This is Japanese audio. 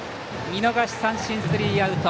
見逃し三振、スリーアウト。